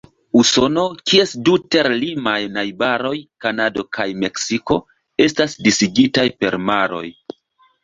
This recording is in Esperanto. Usono, kies du ter-limaj najbaroj, Kanado kaj Meksiko, estas disigitaj per maroj.